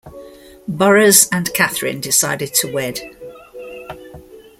Burroughs and Kathryn decided to wed.